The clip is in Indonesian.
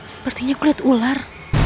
sepertinya kulit ular